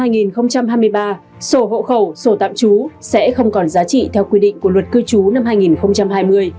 từ ngày một tháng một năm hai nghìn hai mươi ba sổ hộ khẩu sổ tạm trú sẽ không còn giá trị theo quy định của luật cư trú năm hai nghìn hai mươi